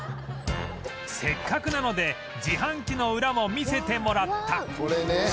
せっかくなので自販機のウラも見せてもらった